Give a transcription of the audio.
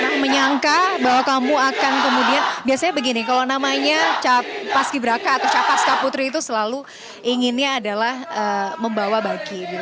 nah menyangka bahwa kamu akan kemudian biasanya begini kalau namanya capas gibraka atau capas kaputri itu selalu inginnya adalah membawa baki gitu